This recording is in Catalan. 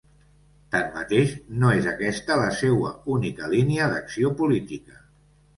Tanmateix, no és aquesta la seua única línia d'acció política.